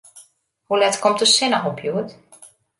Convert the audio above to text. Hoe let komt de sinne op hjoed?